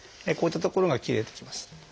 こういった所が切れてきます。